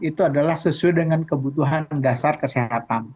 itu adalah sesuai dengan kebutuhan dasar kesehatan